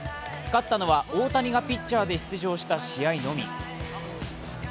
勝ったのは大谷がピッチャーで出場した試合のみ。